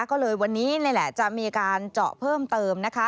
ก็เลยวันนี้นี่แหละจะมีการเจาะเพิ่มเติมนะคะ